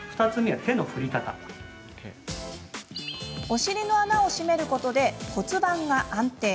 お尻の穴を締めることで骨盤が安定。